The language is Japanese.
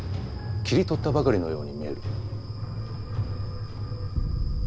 切り取ったばかりのように見える。